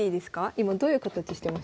今どういう形してましたっけ？